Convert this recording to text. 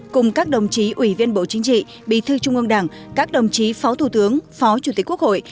cùng các đồng chí ủy viên bộ chính trị bì thư trung ương đảng các đồng chí phó thủ tướng phó chủ tịch quốc hội